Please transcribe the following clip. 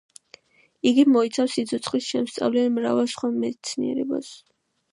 იგი მოიცავს სიცოცხლის შემსწავლელ მრავალ სხვა მეცნიერებას.